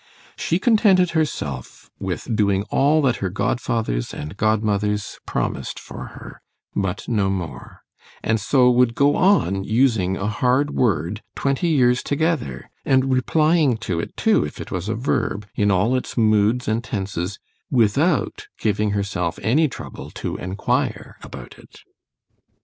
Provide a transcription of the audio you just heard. She contented herself with doing all that her godfathers and godmothers promised for her—but no more; and so would go on using a hard word twenty years together—and replying to it too, if it was a verb, in all its moods and tenses, without giving herself any trouble to enquire about it.